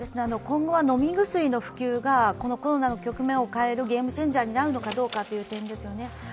今後は飲み薬がこのコロナの局面を変えるゲームチェンジャーになるのかどうかという点ですよね。